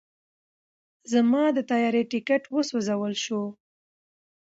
زما د طیارې ټیکټ وسوځل شو.